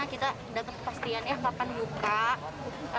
kita dapat kepastian eh bapak juga